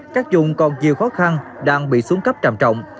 các dùng còn nhiều khó khăn đang bị xuống cấp trầm trọng